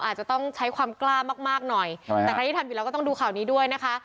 อาจจะต้องใช้ความกล้ามากมากหน่อยแต่ใครที่ทำอยู่แล้วก็ต้องดูข่าวนี้ด้วยนะคะ